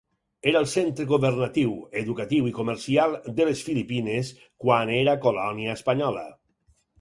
Era el centre governatiu, educatiu i comercial de les Filipines quan era colònia espanyola.